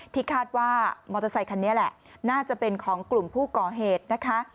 ที่คาดว่ามอเตอร์ไซคันนี้แหละน่าจะเป็นของกลุ่มผู้ก่อเหตุนะคะ